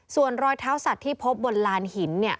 ส่วนรอยเท้าสัตว์ที่พบบนลานหิน